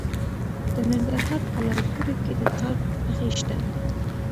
د ننګرهار په لعل پورې کې د تالک نښې شته.